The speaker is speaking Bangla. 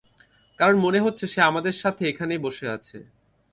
কারণ মনে হচ্ছে সে আমাদের সাথে এখানেই বসে আছে।